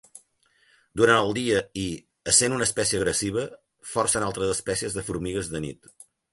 Durant el dia i, essent una espècie agressiva, forcen altres espècies de formigues de nit.